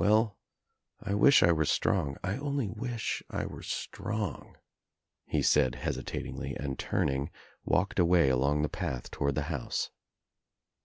*'Wcll, I wish I were strong. I only wish I were strong," he said hesitatingly and turning walked away along the path toward the house.